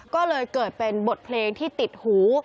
ก็เลยเกิดเป็นบทเพลงที่ติดหู